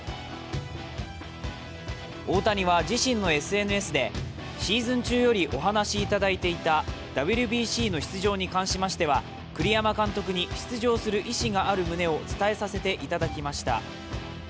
大谷は自身のＳＮＳで、シーズン中よりお話いただいていたＷＢＣの出場に関しましては、栗山監督に出場する意思がある旨を伝えさせていただきました